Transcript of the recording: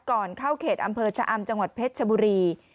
ก่อนเข้าเขตอำเภอชะอำจังหวัดเพชรชบุรี